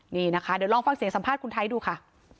นี่นะคะเดี๋ยวลองฟังเสียงสัมภาษณ์คุณไทยดูค่ะ